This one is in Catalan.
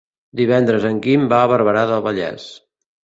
Divendres en Guim va a Barberà del Vallès.